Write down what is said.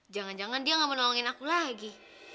jangan jangan dia gak mau nolongin aku lagi